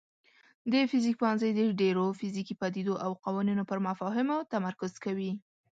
د فزیک پوهنځی د ډیرو فزیکي پدیدو او قوانینو پر مفاهیمو تمرکز کوي.